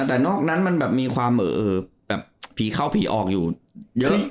แต่นอกนั้นมันแบบมีความแบบผีเข้าผีออกอยู่เยอะ